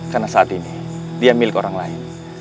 karena sekarang dia miliki orang lain